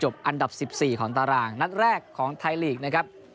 จบอันดับสิบสี่ของตารางนักแรกของไทยลีกนะครับ